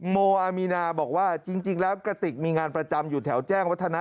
โมอามีนาบอกว่าจริงแล้วกระติกมีงานประจำอยู่แถวแจ้งวัฒนะ